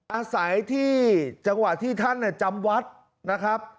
อาศัยที่จังหวะที่ท่านจำวัดนะครับ